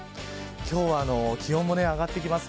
今日は気温も上がってきます。